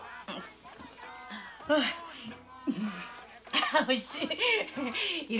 アおいしい。